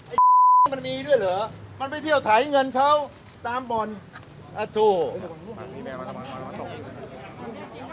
ไอ้มันมีด้วยเหรอมันไปเที่ยวถ่ายเงินเขาตามบ่นเอ้าถูก